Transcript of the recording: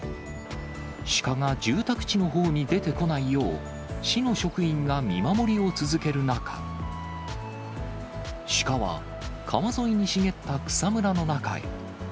鹿が住宅地のほうに出てこないよう、市の職員が見守りを続ける中、鹿は、川沿いにしげった草むらの中へ。